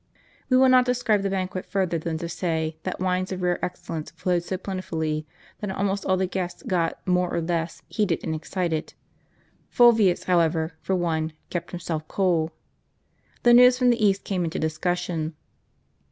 We will not describe the banquet further than to say, that wines of rare excellence flowed so plentifully, that almost all the guests got, more or less, heated and excited. Fulvius, however, for one, kept himself cool. The news from the East came into discussion.